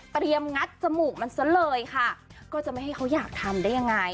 งัดจมูกมันซะเลยค่ะก็จะไม่ให้เขาอยากทำได้ยังไง